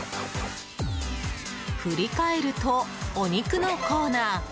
振り返ると、お肉のコーナー。